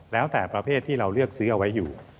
แล้วแต่ประเภทที่เราเลือกซื้อเอาไว้อยู่